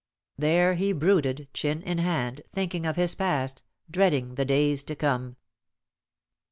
There he brooded, chin in hand, thinking of his past, dreading the days to come.